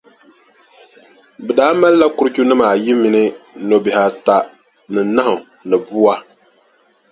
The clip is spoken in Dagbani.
Bɛ daa malila kurichunima ayi mini nobihi ata ni nahu ni bua.